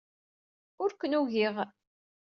Ur ken-ugiɣ.